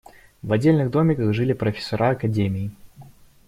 В отдельных домиках жили профессора академии.